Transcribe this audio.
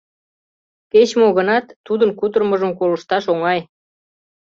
Кеч-мо гынат, тудын кутырымыжым колышташ оҥай.